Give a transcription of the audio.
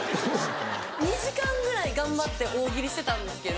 ２時間ぐらい頑張って大喜利してたんですけど。